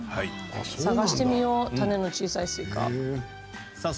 探してみよう種の小さいスイカ。